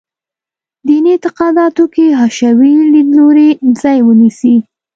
دیني اعتقاداتو کې حشوي لیدلوری ځای ونیسي.